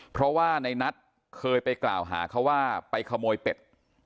เพราะว่าในนัทเคยไปกล่าวหาเขาว่าไปขโมยเป็ด